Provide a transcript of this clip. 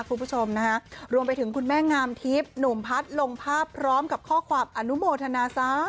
คุณผู้ชมนะฮะรวมไปถึงคุณแม่งามทิพย์หนุ่มพัฒน์ลงภาพพร้อมกับข้อความอนุโมทนาซะ